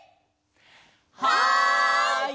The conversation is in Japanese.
はい！